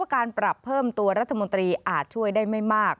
การปรับเพิ่มตัวรัฐมนตรีอาจช่วยได้ไม่มาก